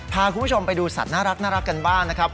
พาคุณผู้ชมไปดูสัตว์น่ารักกันบ้างนะครับ